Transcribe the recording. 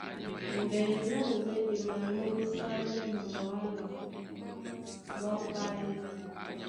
Mbenju a ɓoɓé e malóúsánɛ́ ɓwǎla ɓwá páí.